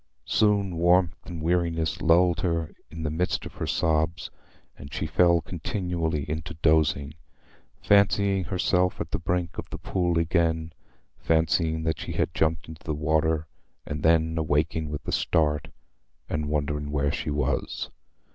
Soon warmth and weariness lulled her in the midst of her sobs, and she fell continually into dozing, fancying herself at the brink of the pool again—fancying that she had jumped into the water, and then awaking with a start, and wondering where she was.